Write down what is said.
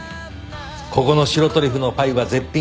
ここの白トリュフのパイは絶品。